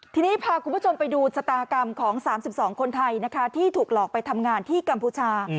ทีนี้พาคุณผู้ชมไปดูชะตากรรมของ๓๒คนไทยนะคะที่ถูกหลอกไปทำงานที่กัมพูชา